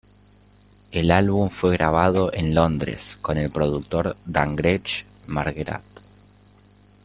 El álbum fue grabado en Londres con el productor Dan Grech-Marguerat.